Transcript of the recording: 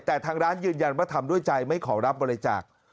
แต่ทางร้านยืนยันว่าทำด้วยใจไม่ขอรับบริจาค